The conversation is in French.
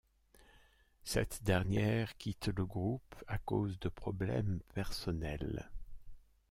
Cette dernière quitte le groupe à cause de problèmes personnels.